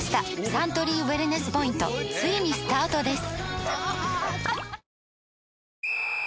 サントリーウエルネスポイントついにスタートです！